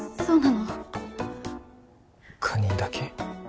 そうなのカニだけ？